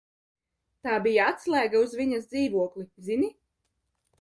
Tā bija atslēga uz viņas dzīvokli Zini?